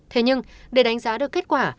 thế nhưng để đánh giá được kết quả